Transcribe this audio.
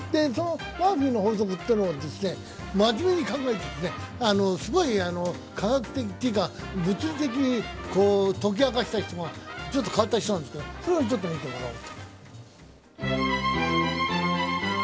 マーフィーの法則というのは真面目に考えてすごい科学的というか物理的に解き明かした人が、ちょっと変わった人なんですけど、それを見てもらおうと。